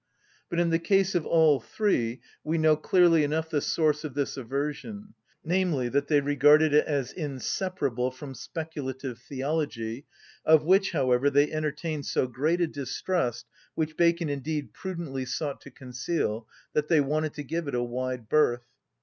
But in the case of all three we know clearly enough the source of this aversion, namely, that they regarded it as inseparable from speculative theology, of which, however, they entertained so great a distrust (which Bacon indeed prudently sought to conceal) that they wanted to give it a wide berth.